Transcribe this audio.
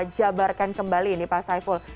jabarkan kembali ini pak saiful